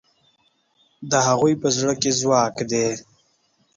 د هغوی په زړه کې ځواک دی.